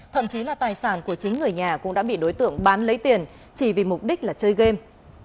thậm chí là tài sản của chính người nhà cũng đã bị đối tượng bán lấy tiền chỉ vì mục đích là chơi game